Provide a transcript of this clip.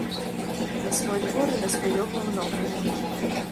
На свой двор і на сваё гумно гляне.